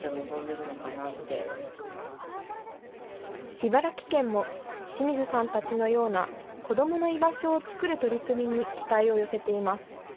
茨城県も清水さんたちのような子どもの居場所を作る取り組みに期待を寄せています。